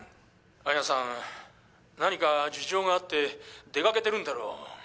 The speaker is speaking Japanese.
「彩矢さん何か事情があって出かけてるんだろう」